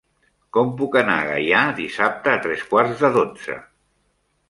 Com puc anar a Gaià dissabte a tres quarts de dotze?